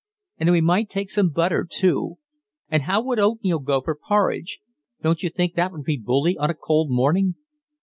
"And we might take some butter, too. And how would oatmeal go for porridge? don't you think that would be bully on a cold morning?"